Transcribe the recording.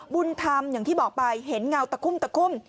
บุญธรรมอย่างที่บอกไปเห็นเงาตะคุ่มตะคุ่ม